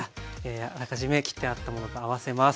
あらかじめ切ってあったものと合わせます。